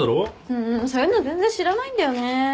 そういうの全然知らないんだよね。